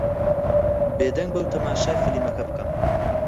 بێدەنگ بە و تەماشای فیلمەکە بکە.